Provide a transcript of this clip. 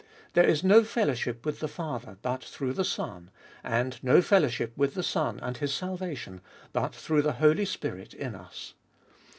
There is no fellowship with the Father but through the Son, and no fellowship with the Son and His salvation, but through the Holy Spirit in us.